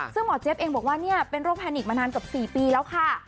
ซึ่งหมอเจี๊ยบเองบอกว่าเนี่ยเป็นโรคแพนิกมานานเกือบ๔ปีแล้วค่ะ